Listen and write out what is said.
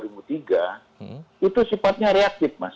itu sifatnya reaktif mas